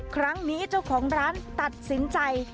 ครั้งนี้เจ้าของร้านตัดสินใจ